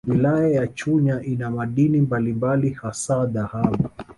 Wilaya ya Chunya ina madini mbalimbali hasa dhahabu